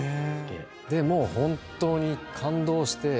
もう本当に感動して。